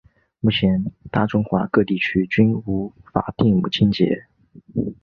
目前大中华各地区均无法定的母亲节。